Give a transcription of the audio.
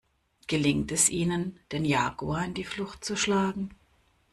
Gelingt es ihnen, den Jaguar in die Flucht zu schlagen?